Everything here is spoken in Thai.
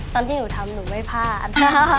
ตอนที่หนูทำหนูไม่พลาด